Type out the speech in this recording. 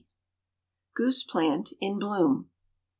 GOOSE PLANT IN BLOOM.